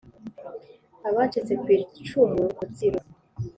Abacitse ku icumu rutsiro